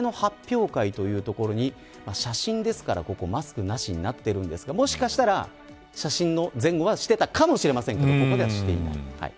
写真ですから、ここはマスクなしになっているんですがもしかしたら、写真の前後はしていたかもしれませんがここでは、していない。